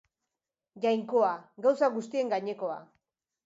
Jainkoa: gauza guztien gainekoa.